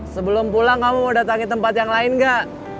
sebelum pulang kamu mau datang ke tempat yang lain gak